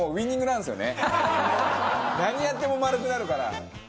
何やっても丸くなるから。